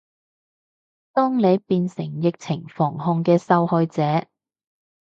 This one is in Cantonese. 當你變成疫情防控嘅受害者